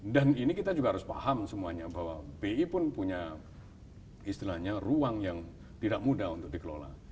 dan ini kita juga harus paham semuanya bahwa bi pun punya istilahnya ruang yang tidak mudah untuk dikelola